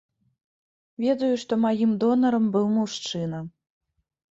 Ведаю, што маім донарам быў мужчына.